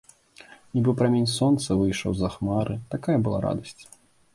Нібы прамень сонца выйшаў з-за хмары, такая была радасць.